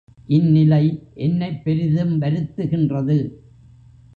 இந்நிலை என்னைப் பெரிதும் வருத்துகின்றது.